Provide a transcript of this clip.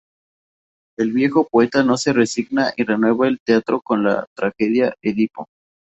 El viejo poeta no se resigna y renueva el teatro con la tragedia "Edipo".